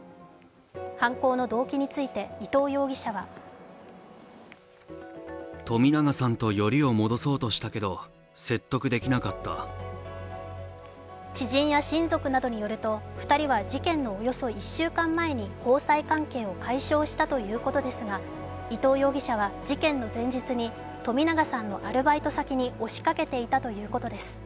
犯行の動機について伊藤容疑者は知人や親族などによると２人は事件のおよそ１週間前に交際関係を解消したということですが、伊藤容疑者は事件の前日に冨永さんのアルバイト先に押しかけていたということです。